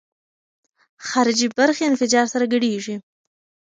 خارجي برخې انفجار سره ګډېږي.